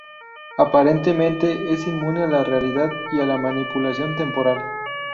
Aparentemente es inmune a la realidad y a la manipulación temporal.